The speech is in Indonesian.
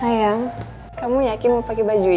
sayang kamu yakin mau pakai baju ya